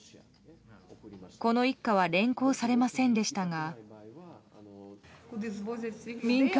この一家は連行されませんでしたが。